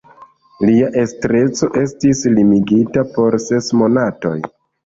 Lia estreco estis limigita por ses monatoj.